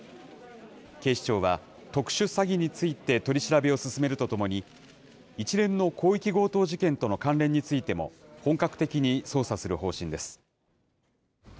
警視庁は、特殊詐欺について取り調べを進めるとともに、一連の広域強盗事件との関連についても、本格的に捜査する方針です。